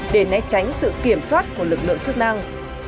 để né tránh sự kiểm soát của lực lượng chức năng